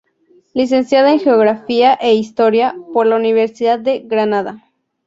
Licenciada en Geografía e Historia por la Universidad de Granada.